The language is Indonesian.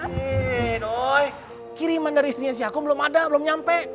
kiriman dari istrinya si aku belum ada belum nyampe